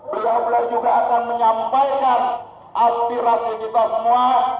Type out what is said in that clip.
beliau beliau juga akan menyampaikan aspirasi kita semua